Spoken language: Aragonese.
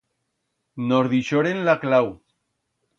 Nos deixoren la clau.